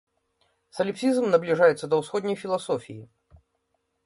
Саліпсізм набліжаецца да ўсходняй філасофіі.